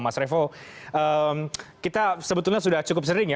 mas revo kita sebetulnya sudah cukup sering ya